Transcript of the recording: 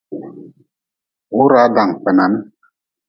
Wuraa dankpenan.